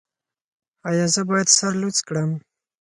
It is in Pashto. ایا زه باید سر لوڅ کړم؟